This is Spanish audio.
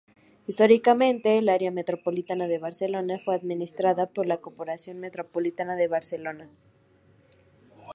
Históricamente el Área Metropolitana de Barcelona fue administrada por la Corporación Metropolitana de Barcelona.